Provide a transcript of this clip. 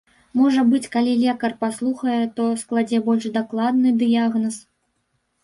Можа быць, калі лекар паслухае, то складзе больш дакладны дыягназ.